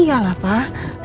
iyalah pak elsa yang kerasnya